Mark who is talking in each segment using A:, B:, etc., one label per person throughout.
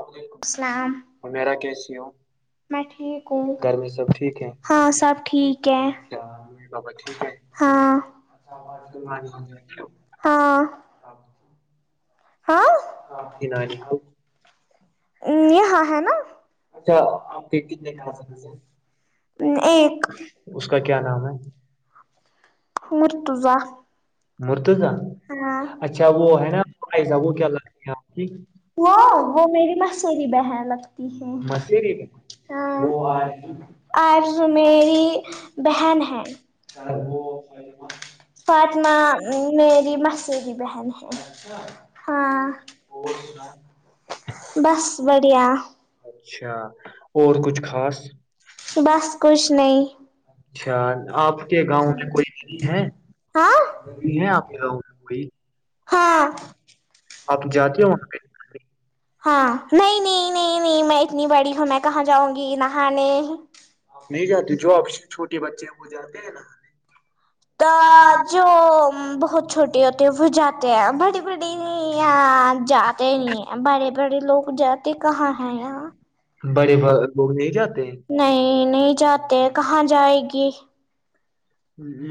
A: الللیک
B: السلام
A: اور میرا کیسی ہ
B: میں ٹھیک ہوں
A: ٹھیک ہے
B: ہاں سب ٹھیک ہے
A: کیا امی بابا ٹیک ہے
B: ہاں
A: اچھا آپ آج کل نانی حال
B: ہاں ہاں
A: کی نانی حال
B: ا یہ ہاں ہے نا
A: اچھا آپ کے کتنے کزنز ہیں
B: ایک
A: اس کا
B: مرتضی
A: مرد جان
B: ہاں
A: اچھا وہ ہے نا پرائز وہ کیا لگتی ہے آپ کی
B: وہ وہ میری مسری بہن لگتی
A: مسری میں
B: ہے
A: وہ وہ-
B: ہ اور میری
A: اچھا
B: بہن ہے فطمہ میری مسری بہن [unintelligible] ہاں بس بڑھیا [unintelligible]
A: اچھا اور کچھ خاص [unintelligible]
B: کچشھ نہیں
A: اچھا آپ کے گاؤں میں کوئی ہے
B: ہاں
A: ہیں آپ کے گاؤ
B: ہاں
A: آپ جاتے ہو وہاں پہ [unintelligible] [inaudible]
B: ہاں نہیں نہیں نہیں نہیں میں اتنی بڑی ہ میں کہاں جاؤں گی نہانے
A: نہیں جاتے جوش چھوٹے بچے ہیں وہ جاتے ہیں ن ہمے
B: ا جو بہت چھوٹی ہوتی ہے وہ جاتے ہیں بڑی بڑی نہیں یہاں جات ہی نہیں ہے بڑے بڑے لوگ جات کہاں ہے یہاں
A: بڑے با- لوگ نہیں جاتے ہیں
B: نہیں نہیں جاتے کہاں جائے گی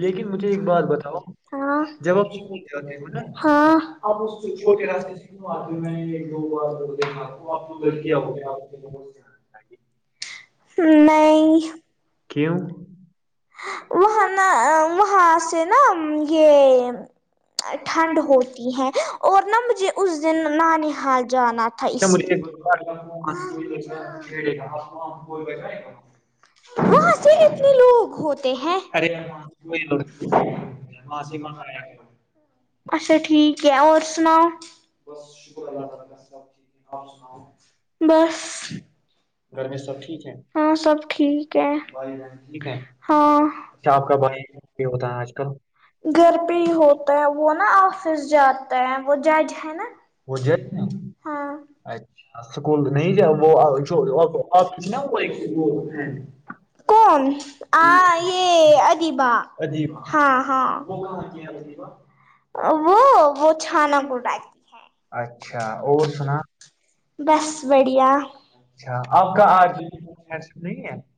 A: لیکن مجھے ایک بات بتاؤ
B: ہاں
A: جب آپ
B: ہاں
A: چھوٹے
B: آ میں نے ایک دو بار دیکھا تو آپ لل کے
A: لڑکیاں
B: آؤ
A: ہو
B: گے
A: گیا
B: آپ
A: کیوں [unintelligible]
B: وہاں نہا وہاں سے نا یہ ٹھنڈ
A: کیا
B: ہوتی ہے اور نم اس دن نان حال جانا تھا اس
A: مجھے
B: لیے
A: ایک بات-
B: [unintelligible] وہاںس کتنے لوگ ہوتے ہیں
A: ارے کوئی لڑکی وہاں سے مانگے،
B: اچھا ٹھیک ہے اور سناؤ بس
A: گھر میں سب ٹھیک ہے
B: ہاں سب ٹھیک ہے
A: ٹھیک ہے
B: ہاں
A: یہ ہوتا ہے آج کل
B: گھر پہ ہی ہوتا ہے وہ نا آفس جاتا ہے وہ جج ہے نا
A: وہ جائے
B: ہاں
A: اچھا اسکول نہیں جا وہ جو آپ کسی نا وہ ایک-
B: [inaudible] کون آ یہ ادیب
A: عجیب
B: ہاں ہاں وہ وہ چھانا گ رہتی ہے
A: اچھا اور سنا
B: بس بڑھیا
A: اچھا آپ کا آج نہیں ہے [unintelligible]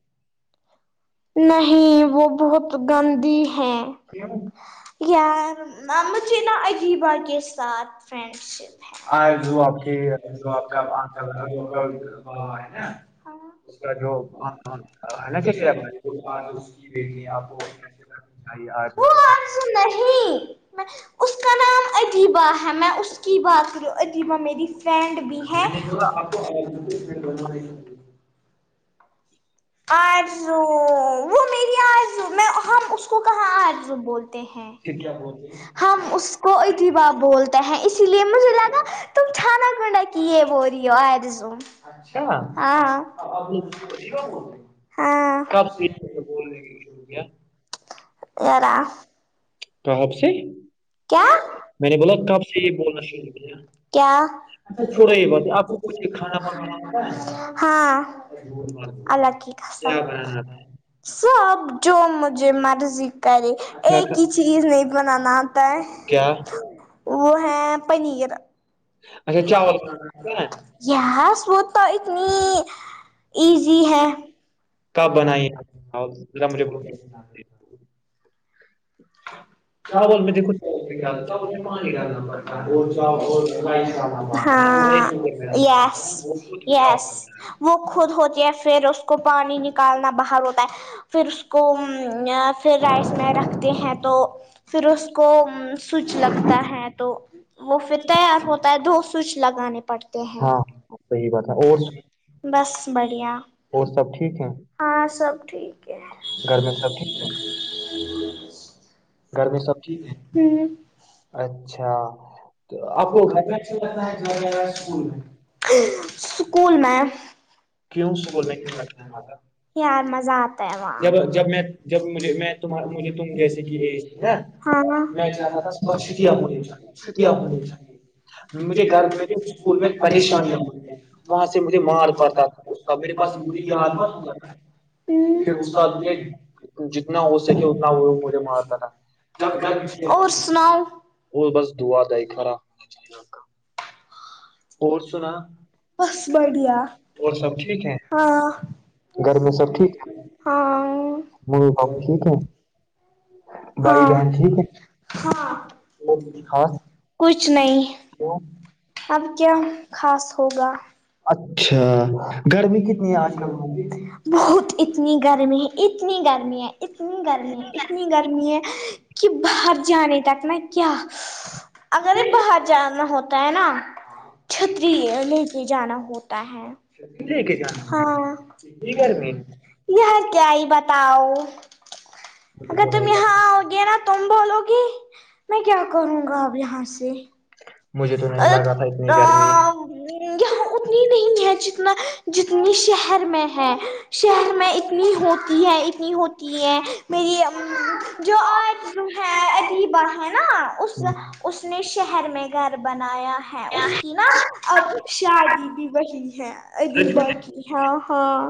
B: نہیں وہ بہت گندی ہے
A: کیوں؟
B: یار مجھے نا عجیبا کے ساتھ فرینڈ شپ [unintelligible]
A: آج جو آپ کی جو آپ کا آپ
B: آ ہے نا
A: کا جو ہے نا کہ
B: [unintelligible] وہ آ
A: کیا آپ کو آج
B: نہیں میں اس کا نام ادیبہ ہے میں اس کی بات کریوں ادیبہ میری فرینڈ بھی ہیں [unintelligible] آرزو وہ میری آرزو میں ہم اس کو کہاں آرزو بولتے ہیں
A: پھر کیا
B: ہم اس کو اتھی بار بولتے ہیں اسی لیے مجھے لگا تم چھانا گنڈا کی یہ بولرہی ہو
A: اچھا آپ نے کب سے کیا
B: ہاں ایرا
A: تو آپ سے
B: کیا
A: میں نے بولا کب سے یہ بولنا
B: کیا
A: شروع چھوڑو یہ بات آپ کو کچھ
B: ہاں اللہ کی قسم
A: کھانا بنانا
B: سب جو مجھے مرضی کرے
A: تھا کیا
B: ایک ہی چیز نہیں بنانا
A: کیا
B: وہ ہے پنیر
A: اچھا چاول بنانا ہے
B: یس وہ تو اتنی ایزی ہے
A: کب بنائیے چاول ذرا مجھے [unintelligible] میں
B: چاول
A: دیکھو
B: کو پانی ڈالنا پڑھتا ہے اور فری ہاں یس یس وہ خود ہوتی ہے پھر اس کو پانی نکالنا باہر ہوتا ہے پھر اس کو
A: چاول
B: پھر رائس میں رکھتے ہیں تو پھر اس کو سوچ لگتا ہے تو وہ پھر تیار ہوتا ہے دو سوچ لگانے پڑتے ہیں
A: ہاں ہاں، صحیح بات ہے اور
B: بس بڑھیا
A: اور سب ٹھیک ہے
B: ہاں سب ٹھیک ہے
A: گھر میں سب ٹھیک گھر میں سب ٹھیک ہے
B: ہ
A: اچھا
B: آپ کو گھر میں رہنا اچھا لگتا ہے یا سکول میں اسکول میں
A: کیوں اسکول میں اچھا لگتا تھا؟
B: یار مزہ آتا ہے وہاں
A: جب جب میں جب مجھے میں تم مجھے تم جیسے کہ ایج تھی نا
B: ہاں ہاں
A: میں چاہتا تھا بس چھٹیاں ہونے کا، چھٹیاں
B: آپ
A: ہونے
B: [unintelligible]
A: کا۔ مجھے گھر میں تو اسکول میں پریشان نہ ہو وہاں سے مجھے مار پڑتا تھا تب میرے پاس یار پر پھر استاد کے
B: [unintelligible] جتنا ہو سکے اتنا
A: چپ کر
B: اور سناؤ
A: اور بس دعا دوئی خارا [inaudible] اور سنا
B: بس بڑھیا
A: اور سب ٹھیک ہیں
B: ہاں
A: گھر میں سب ٹھیک
B: ہاں
A: ہے ممی پاپا ٹھیک ہے بھائی
B: ہاں
A: بہن ٹھیک
B: ہاں
A: ہے خاص
B: کچھ نہیں اب کیا خاص ہوگا
A: اچھا گرمی کتنی ہے آج ک
B: بہت اتنی گرمی ہے اتنی گرمی ہے اتنی گرمی ہے اتنی گرمی ہے کہ باہر جانے تک نہا کیا اگر یہ باہر جانا ہوتا ہے نا چھتری ہے جانا ہوتا ہے
A: لے کے جانا
B: ہاں
A: اپنی گھر میں
B: یہ کیائی بتاؤ اگر تم یہاںؤ گے نا تم بولو گی میں کیا کروں گا اب یہاں سے
A: مجھے تو نہیں لگا تھا اتنی گرمی
B: یہاں اتنی نہیں ہے جتنا جتنی شہر میں ہے شہر میں اتنی ہوتی ہے اتنی ہوتی ہے میری جو آج جو ہے ادیبر ہیں نا اس اس نے شہر میں گھر بنایا ہے اس کی نا اب شادی بھی وہی ہے ابھی باقی ہاں ہاں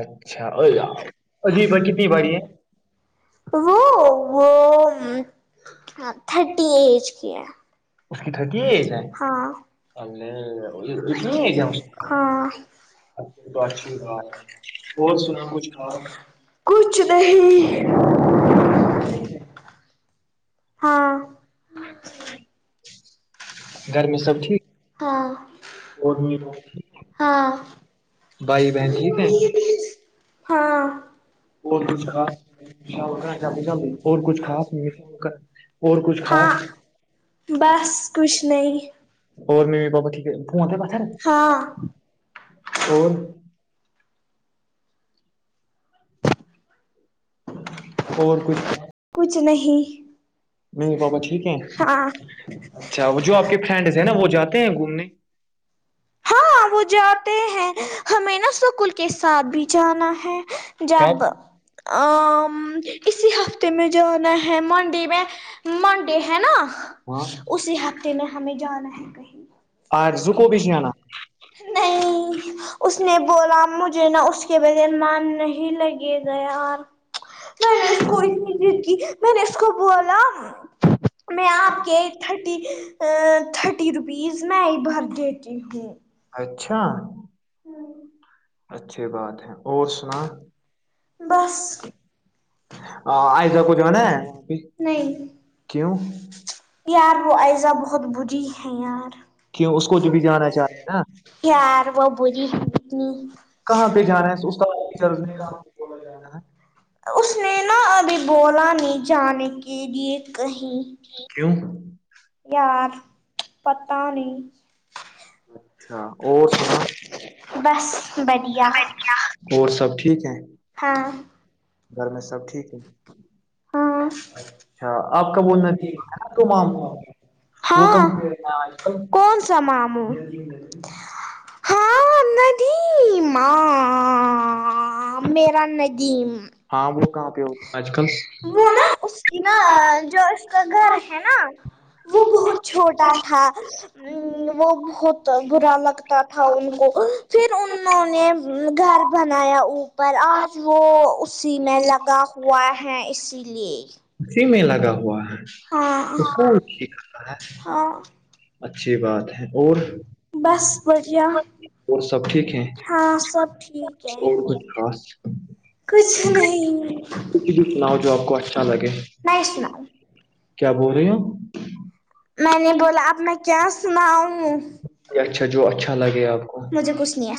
A: اچھا اور اجھی پر کتنی بھاریی ہے
B: وہ وہ تھرٹی ایج کی ہے
A: اس کی تھٹی ایج ہے
B: ہاں
A: اتنی ایج ہے اس
B: ہاں
A: کی؟ تو اچھی بات اور سن کچھ
B: کچھ نہیں ہاں
A: [unintelligible] گھر میں سب ٹھیک
B: ہاں
A: اور
B: ہاں
A: بھائی بہن ٹھیک ہے
B: ہاں اور کھ
A: ش کر چ چ اور کچھ خاص نہیں کر اور کچھ خاص
B: ہاں بس کچھ نہیں
A: اور ممی پاپا ٹھیک ہے فون ہے پتھر
B: ہاں
A: اور اور کچھ
B: کچھ نہیں
A: ممی پاپا ٹھیک ہیں
B: ہاں
A: اچھا وہ جو آپ کے فرینڈس ہیں نا وہ جاتے ہیں گومنے
B: ہاں وہ جاتے ہیں ہمیں نا سکل کے ساتھ بھی جانا ہے جب
A: کب
B: ای ہفتے میں جانا ہے منڈے میں منڈے ہے نا
A: ہاں
B: اسی ہفتے نے ہمیں جانا ہے کہیں
A: اور زکوبش نا
B: نہیں اس نے بولا مجھے نہ اس کے بغیر مان نہیں ہی لگے گئے اور میں نے کوئی میں نےسٹ کو بولا میں آپ کے تھرٹی تھرٹی روپیز میں ہی بھر گتی جی ہوں
A: اچھا اچھی بات ہے اور سنا
B: بس
A: آئسہ کو جو ہے نا
B: نہیں
A: کیوں
B: یار وہ ایزہ بہت بری ہے یار
A: کیوں اس کو جو بھی جانا چاہتے ہیں نا
B: یار وہ بولی
A: کہاں پہ جانا ہے استاد ٹیچرز نے کہاں جانا
B: اس نے نہا ابھی بولا نہیں جان کے لیے کہیں
A: کیوں
B: یار پت نہیں
A: اچھا اور سنا
B: بس بڑھیا
A: اور سب ٹھیک ہے
B: ہاں
A: گھر میں سب ٹھیک ہے
B: ہاں
A: اچھا آپ کا ب ندیک تومام
B: ہاں کون سا مموں
A: [unintelligible]
B: ہاں ندیم میریرا ندیم
A: ہاں وہ کہاں پہ ہوتا ہیں آج کل
B: کہ نا جو اس کا گھر ہے نا وہ بہت چھوٹا تھا وہ بہت برا لگتا تھا ان کو پھر انہوں نے گھر بنایا اوپر آج وہ اسی میں لگا ہوا ہے اسی لیے
A: اسی میں لگا ہوا ہے
B: ہاں
A: اس کاتا ہے
B: ہاں
A: اچھی بات ہے
B: بس بڑھیا
A: اور سب ٹھیک ہے
B: ہاں سب ٹھیک ہے
A: اور کچھ خاص
B: کچھ نہیں
A: اس لیے سناؤ جو آپ کو اچھا لگے
B: نہیں سناؤ
A: کیا بول رہی ہو
B: میں نے بولا اب میں کیا سنا ہوں
A: یہ اچھا جو اچھا لگے آپ کو
B: مجھے کچھ نہیں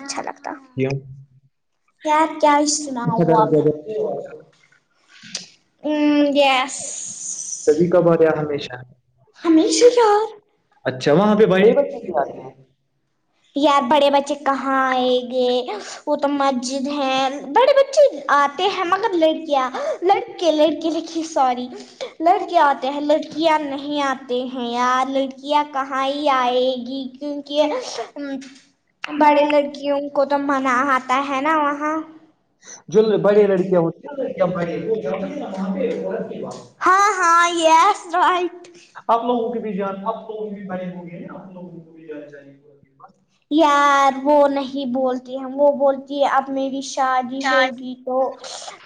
B: کیا کیا سنا ہوا
A: ج
B: ا گیاس
A: کد کاا باریا ہمیشہ
B: ہممیشو یار
A: اچھا وہاں پہ بڑے بچے بھی آتے
B: یار بڑے بچے کہاں آ ہے گے وہ تو مسجد ہے بڑے بچے آتے ہیں مگر لڑک آ لڑکے لڑکی لکھی سوراریی لڑکےں آتے ہیں لڑکیاں نہیں آتے ہیں یار لڑکیاں کہاں ہی آئے گی کیونکہ بڑے
A: ہیں
B: لڑکیوں کو تو من ہات پتا ہے نا وہاں
A: جو
B: ڑڑ
A: بڑے لڑکیاں ہوتی ہیں
B: و ہاں ہاں یس رائٹ
A: آپ لوگوں کی جان
B: بھی بائی ہو گے ن آپ لوگوں کو بھی لینا چاہیے یار وہ نہیں بولتی ہم وہ بولتی ہے اب میری شادی ہوگی تو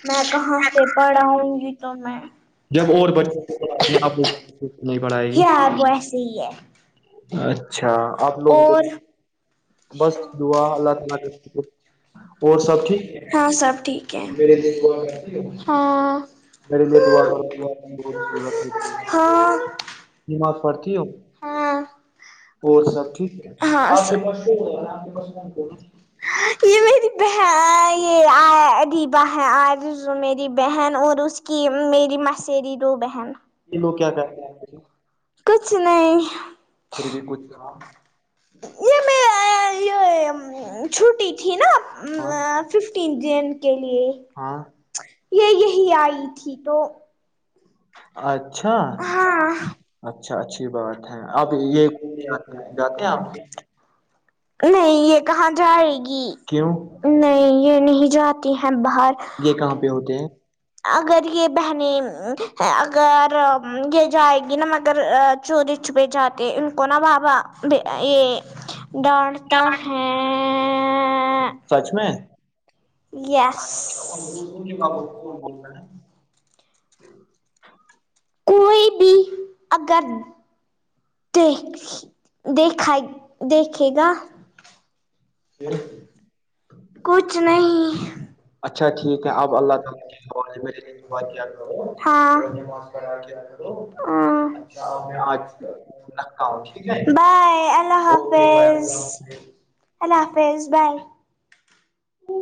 B: میں کہاں سے پڑھاؤں گی تو میں
A: جب اور بچے آپ نہیں پڑھائے
B: ہیا
A: گی
B: بوسی ہے
A: اچھا آپ لوگوں
B: اور
A: کو بس دعالہ ت
B: ہاں سب ٹھیک ہے ہاں
A: میرے لیے دعا کرو ضرورت
B: ہاں
A: نماز پڑھتی ہو
B: ہاں
A: اور
B: س
A: سب ٹھیک
B: ہاں
A: آپ کے
B: یہ میری بہ یہ اریبا ہے میری بہن اور اس کی کہ میری مسری دو بہن
A: لوگ کیا کہتے ہیں
B: کچھ نہیں
A: پھر بھی کچھ
B: یہ میں یہ چھٹی تھی نا
A: ہاں
B: ففٹین جن کے لیے
A: ہاں
B: یہ یہی آئی تھی تو
A: اچھا
B: ہاں
A: اچھا اچھی بات ہے آپ یہ جاتے ہیں آپ
B: نہیں یہ کہاں جائے گی
A: کیوں
B: نہیں یہ نہیں جاتی ہیں باہر
A: یہ کہاں پہ ہوتے ہیں
B: اگر یہ بہنیں اگر یہ جائے نا مگر چوری چھ پہ جاتے ان کو نا بابا یہ ڈانٹتا ہے
A: سچ میں
B: یس کوئی بھی اگر دیک دیکھا دیکھے گا کچھ نہیں
A: اچھا ٹھیک ہے آپ اللہ تعالی
B: ہاں
A: آج
B: ہاں
A: رکھتا ہوں ٹھیک
B: بائے اللہ حافظ
A: ہے
B: ہیلہ فیز بگ ہ